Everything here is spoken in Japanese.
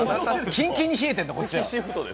キンキンに冷えているんだよ、こっちは。